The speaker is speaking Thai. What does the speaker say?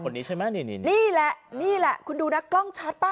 คนนี้ใช่ไหมนี่นี่นี่แหละนี่แหละคุณดูนะกล้องชัดป่ะ